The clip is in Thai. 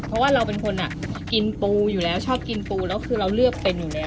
เพราะว่าเราเป็นคนกินปูอยู่แล้วชอบกินปูแล้วคือเราเลือกเป็นอยู่แล้ว